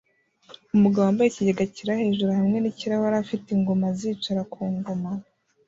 Umugabo wambaye ikigega cyera hejuru hamwe nikirahure afite ingoma azicara ku ngoma